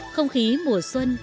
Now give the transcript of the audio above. không khí mùa xuân